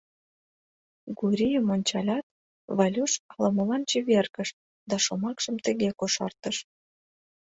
Гурийым ончалят, Валюш ала-молан чевергыш да шомакшым тыге кошартыш: